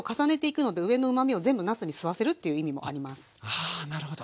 あなるほど。